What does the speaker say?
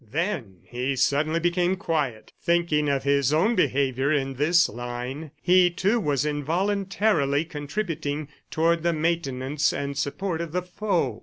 Then he suddenly became quiet, thinking of his own behavior in this line. He, too, was involuntarily contributing toward the maintenance and support of the foe.